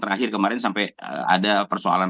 terakhir kemarin sampai ada persoalan